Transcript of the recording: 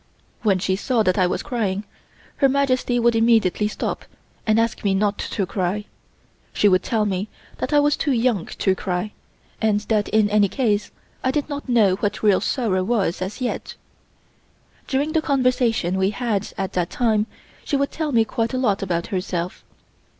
When she saw that I was crying, Her Majesty would immediately stop and ask me not to cry. She would tell me that I was too young to cry, and that in any case I did not know what real sorrow was as yet. During the conversations we had at that time she would tell me quite a lot about herself.